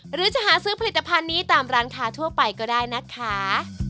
หรือจะหาซื้อผลิตภัณฑ์นี้ตามร้านค้าทั่วไปก็ได้นะคะ